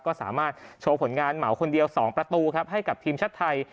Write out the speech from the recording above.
ก็สามารถโชว์ผลงานเหมาคนเดียว๒ประตูครับให้กับทีมชาติไทย